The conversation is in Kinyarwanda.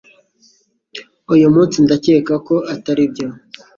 Uyu munsi ndakeka ko atari byo